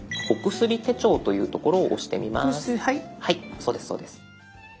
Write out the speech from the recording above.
そうですそうです。